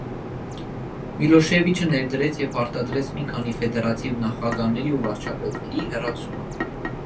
Միլոշեվիչը ներդրեց և պարտադրեց մի քանի ֆեդերատիվ նախագահների ու վարչապետների հեռացումը։